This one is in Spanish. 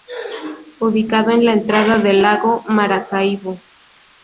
Ubicado en la entrada del lago de Maracaibo.